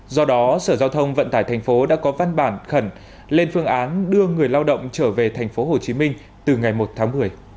do đó sở giao thông vận tải tp đã có văn bản khẩn lên phương án đưa người lao động trở về tp hcm từ ngày một tháng một mươi